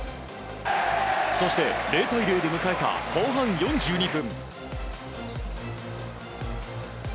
そして、０対０で迎えた後半４２分。